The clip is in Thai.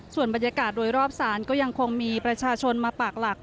ส่วนบรรยากาศโดยรอบศาลก็ยังคงมีประชาชนมาปากหลัก